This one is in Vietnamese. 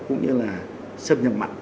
cũng như là sân nhầm mạnh